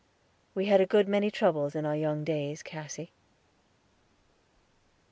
"We had a good many troubles in our young days, Cassy."